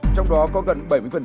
trong đó có gần bảy mươi